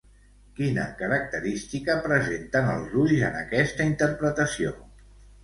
Quina característica presenten els ulls en aquesta interpretació?